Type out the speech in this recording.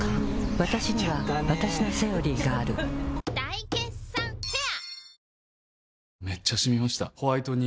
わたしにはわたしの「セオリー」がある大決算フェア